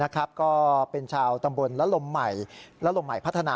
ก็เป็นชาวตำบลและลมใหม่และลมใหม่พัฒนา